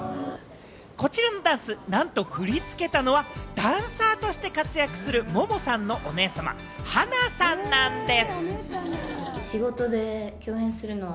こちらのダンス、なんと振り付けたのは、ダンサーとして活躍するモモさんのお姉さま、ｈａｎａさんなんです。